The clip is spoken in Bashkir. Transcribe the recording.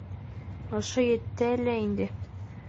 Ошо етә лә инде.